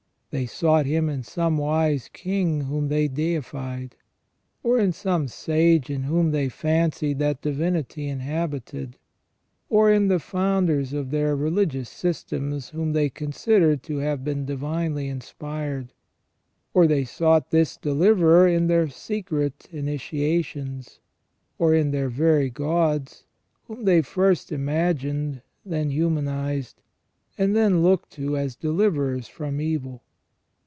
They sought him in some wise king whom they deified ; or in some sage in whom they fancied that divinity inhabited ; or in the founders of their religious systems whom they considered to have been divinely inspired ; or they sought this deliverer in their secret initiations ; or in their very gods, whom they first imagined, then humanized, and then looked to as deliverers from evil.